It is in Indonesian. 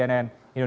terima kasih pak